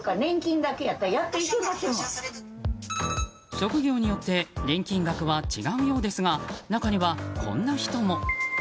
職業によって年金額は違うようですが中には、こんな人も。